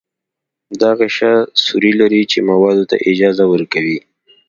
دا غشا سوري لري چې موادو ته اجازه ورکوي.